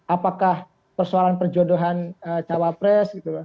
apakah persoalan perjodohan cawapres